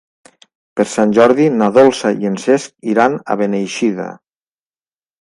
Per Sant Jordi na Dolça i en Cesc iran a Beneixida.